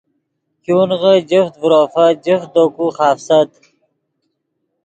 ګونغے جفت ڤروفت جفت دے کو خافست